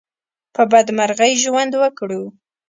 په بدمرغي ژوند وکړو.